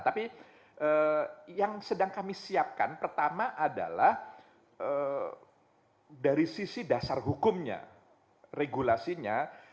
tapi yang sedang kami siapkan pertama adalah dari sisi dasar hukumnya regulasinya